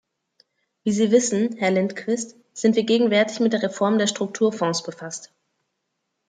Wie Sie wissen, Herr Lindqvist, sind wir gegenwärtig mit der Reform der Strukturfonds befasst.